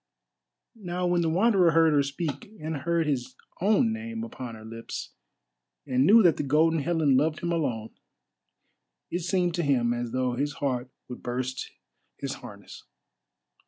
Now when the Wanderer heard her speak, and heard his own name upon her lips, and knew that the Golden Helen loved him alone, it seemed to him as though his heart would burst his harness.